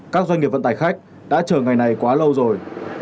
các doanh nghiệp vận tải khách đã chờ ngày này quá lâu rồi